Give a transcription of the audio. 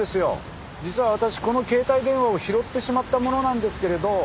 実は私この携帯電話を拾ってしまった者なんですけれど。